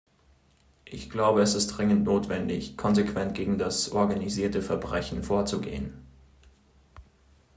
Ich glaube, es ist dringend notwendig, konsequent gegen das organisierte Verbrechen vorzugehen.